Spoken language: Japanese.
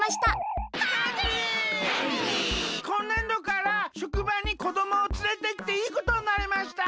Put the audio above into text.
こんねんどからしょくばにこどもをつれてきていいことになりました。